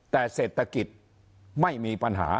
แต่เศรษฐกิจไม่มีปัญหา